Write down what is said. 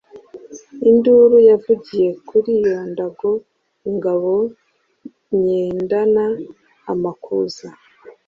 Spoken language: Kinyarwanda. induru yavugiye kuli ndago, ingabo nyendana amakuza,